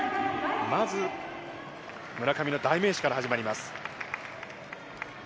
まず、村上の代名詞から始まります。